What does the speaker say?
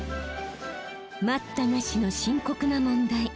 待ったなしの深刻な問題